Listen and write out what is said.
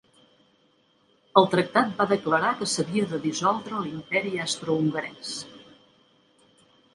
El tractat va declarar que s'havia de dissoldre l'Imperi Austrohongarès.